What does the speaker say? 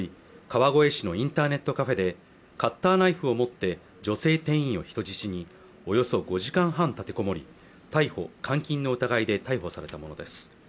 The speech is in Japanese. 川越市のインターネットカフェでカッターナイフを持って女性店員を人質におよそ５時間半立てこもり逮捕監禁の疑いで逮捕されたものです